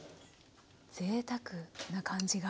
ぜいたくな感じが。